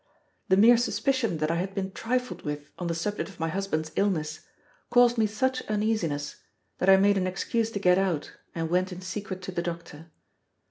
The mere suspicion that I had been trifled with on the subject of my husband's illness, caused me such uneasiness, that I made an excuse to get out, and went in secret to the doctor.